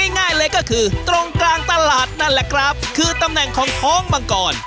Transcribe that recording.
ง่ายเลยก็คือตรงกลางตลาดนั่นแหละครับคือตำแหน่งของท้องมังกร